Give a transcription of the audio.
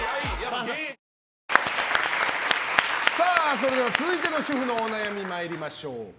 それでは続いての主婦のお悩み参りましょう。